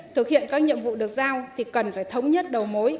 thực hiện các nhiệm vụ được giao thì cần phải thống nhất đầu mối